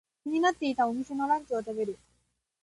気になっていたお店のランチを食べる。